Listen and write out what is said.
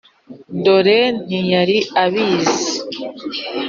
dore ntiyari abizi;